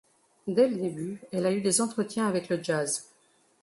Dès le début, elle a eu des entretiens avec le Jazz.